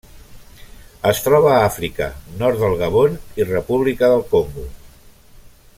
Es troba a Àfrica: nord del Gabon i República del Congo.